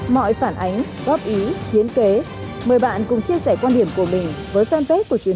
mọi phản ánh góp ý hiến kế mời bạn cùng chia sẻ quan điểm của mình với fanpage của truyền hình công an nhân dân